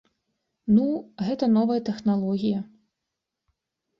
Ну, гэта новая тэхналогія.